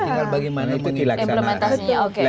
tinggal bagaimana itu dilaksanakan